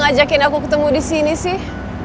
kamu kenapa ngajakin aku ketemu disini sih